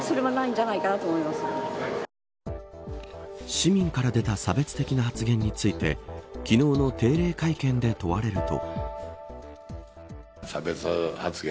市民から出た差別的な発言について昨日の定例会見で問われると。